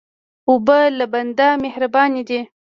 اوبه له بنده مهربانې دي.